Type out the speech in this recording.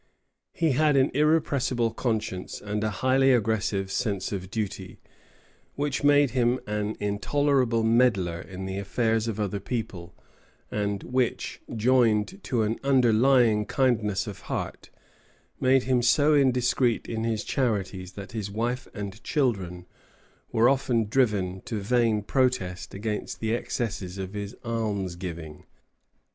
He had an irrepressible conscience and a highly aggressive sense of duty, which made him an intolerable meddler in the affairs of other people, and which, joined to an underlying kindness of heart, made him so indiscreet in his charities that his wife and children were often driven to vain protest against the excesses of his almsgiving.